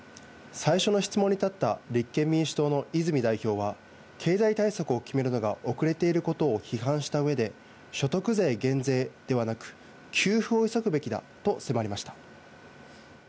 最初の質問に立った立憲民主党の泉代表は、経済対策を決めるのが遅れていることを批判したうえで、所得税減税ではなく、給付を急ぐべきだと迫りました。